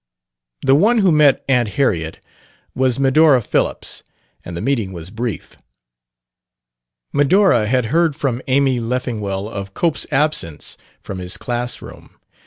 The one who met Aunt Harriet was Medora Phillips, and the meeting was brief. Medora had heard from Amy Leffingwell of Cope's absence from his class room.